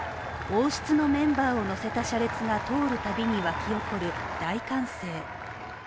王室のメンバーを乗せた車列が通るたびに沸き起こる大歓声。